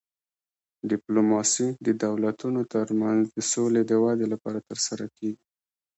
ډیپلوماسي د دولتونو ترمنځ د سولې د ودې لپاره ترسره کیږي